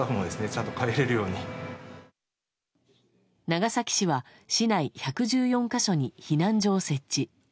長崎市は市内１１４か所に避難所を設置。